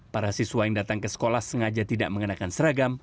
para siswa yang datang ke sekolah sengaja tidak mengenakan seragam